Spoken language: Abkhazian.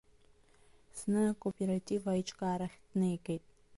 Зны акооператив аиҿкаарахь днеигеит.